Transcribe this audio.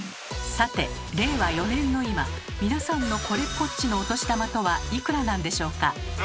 さて令和４年の今皆さんの「これっぽっち」のお年玉とはいくらなんでしょうか。